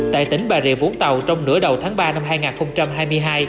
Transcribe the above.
tại tỉnh bà rịa vũng tàu trong nửa đầu tháng ba năm hai nghìn hai mươi hai